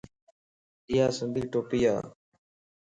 ايا سنڌي ٽوپي ا